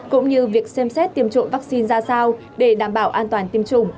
cũng như việc xem xét tiêm trộm vaccine ra sao để đảm bảo an toàn tiêm chủng